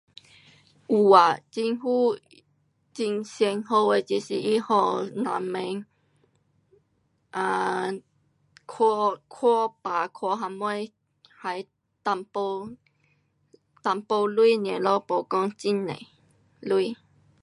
有啊，政府很常好的就是它给人民 um 看，看病，看什么还一点，一点钱 nia 咯，没讲很多钱。